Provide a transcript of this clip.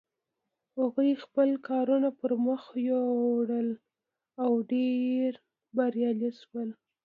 هغوی خپل کارونه پر مخ یوړل او ډېر بریالي شول.